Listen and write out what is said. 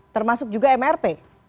termasuk juga mrp